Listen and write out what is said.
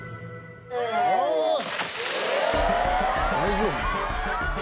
大丈夫？